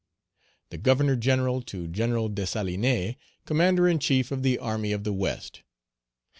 "The Governor General to General Dessalines, Commander in chief of the army of the West.